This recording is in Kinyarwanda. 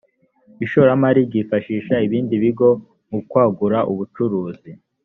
ishoramari ryifashisha ibindi bigo mukwagura ubucuruzi.